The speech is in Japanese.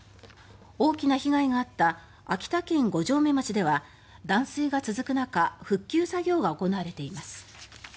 大きな被害があった秋田県五城目町では断水が続く中復旧作業が行われています。